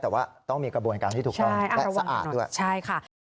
แต่ว่าต้องมีกระบวนการที่ถูกทำและสะอาดด้วย